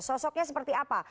sosoknya seperti apa